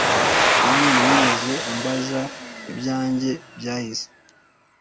mwami ntiwigeze umbaza ibyanjye byahise